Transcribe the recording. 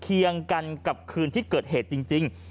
เคียงกันกับคืนที่เกิดเหตุจริง